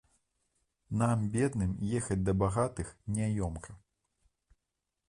Нам, бедным, ехаць да багатых няёмка.